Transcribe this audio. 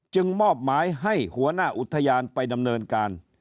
มอบหมายให้หัวหน้าอุทยานไปดำเนินการ